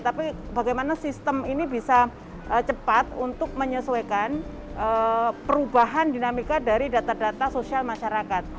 tapi bagaimana sistem ini bisa cepat untuk menyesuaikan perubahan dinamika dari data data sosial masyarakat